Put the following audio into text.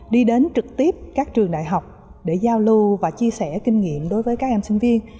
đi đến trực tiếp các trường đại học để giao lưu và chia sẻ kinh nghiệm đối với các em sinh viên